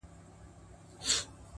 پوهه د انتخابونو دروازې زیاتوي.!